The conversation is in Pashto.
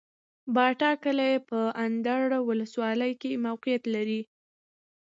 باټا کلی په اندړ ولسوالۍ کي موقعيت لري